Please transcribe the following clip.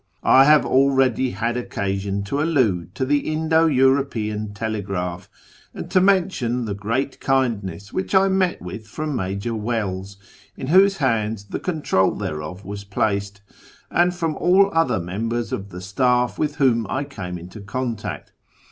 I have already had occasion to allude to the Indo European telegraph, and to mention the great kindness which I met with from ]\Iajor Wells (in whose hands the control thereof was placed), and from all other members of the staff with wdiom I came in contact.